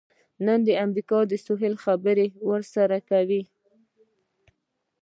نن امریکا د سولې خبرې ورسره کوي.